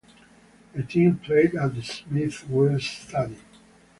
The team played at Smith-Wills Stadium.